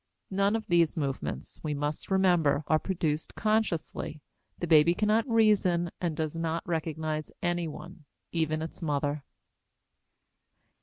None of these movements, we must remember, are produced consciously; the baby cannot reason and does not recognize anyone, even its mother.